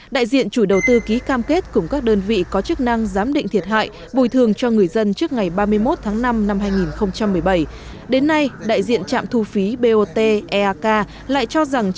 đại diện chủ đầu tư ký cam kết cùng các đơn vị có chức năng giám định thiệt hại nhà cửa của họ và có bồi thường thỏa đáng